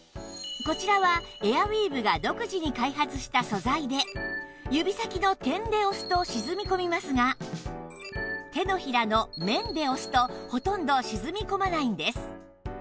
こちらはエアウィーヴが独自に開発した素材で指先の「点」で押すと沈み込みますが手のひらの「面」で押すとほとんど沈み込まないんです